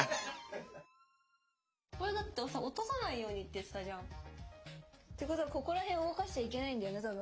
これだって落とさないようにって言ってたじゃん。ってことはここらへん動かしちゃいけないんだよな多分。